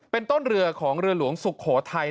เป็นต้นเรือของเรือหลวงสุโขทัย